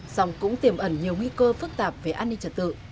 song cũng tiềm ẩn nhiều nguy cơ phức tạp về an ninh trật tự